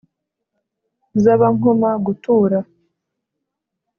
Zabankoma gutura,